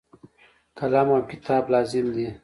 قلم او کتاب لازم دي.